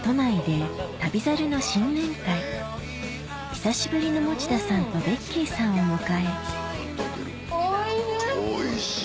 久しぶりの持田さんとベッキーさんを迎えおいしい！